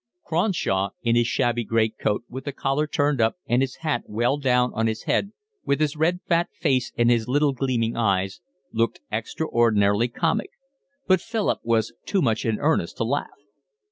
Cronshaw in his shabby great coat, with the collar turned up, and his hat well down on his head, with his red fat face and his little gleaming eyes, looked extraordinarily comic; but Philip was too much in earnest to laugh.